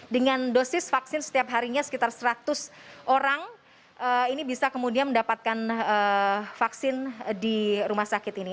dengan dosis vaksin setiap harinya sekitar seratus orang ini bisa kemudian mendapatkan vaksin di rumah sakit ini